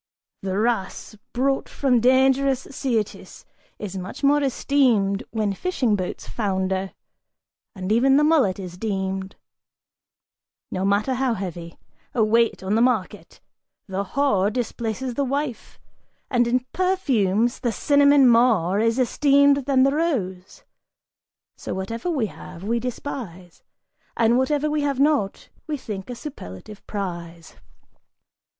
The wrasse brought from dangerous Syrtis is much more esteemed When fishing boats founder! And even the mullet is deemed, No matter how heavy, a weight on the market! The whore Displaces the wife; and in perfumes, the cinnamon more Is esteemed than the rose! So whatever we have, we despise, And whatever we have not, we think a superlative prize!"